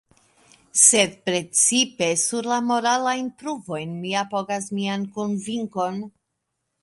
Sed precipe sur la moralajn pruvojn mi apogas mian konvinkon.